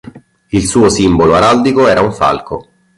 Il suo simbolo araldico era un falco.